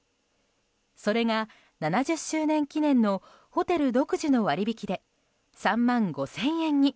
それが、７０周年記念のホテル独自の割り引きで３万５０００円に。